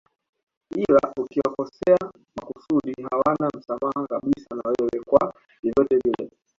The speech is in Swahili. Ila ukiwakosea makusudi hawana msamaha kabisa na wewe kwa vyovyote vile